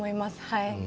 はい。